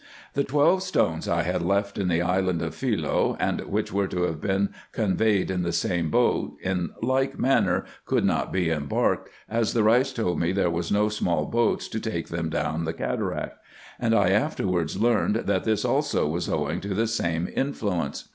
The twelve stones I had left in the island of Pliilce, and which were to have been conveyed in the same boat, in like manner could not be embarked, as the Eeis said there were no small boats to take them down the cataract : and I afterwards learned, that this also was owing to the same influence.